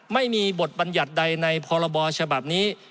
ไม่มีบทบัญญัติใดในพรบฉบับนี้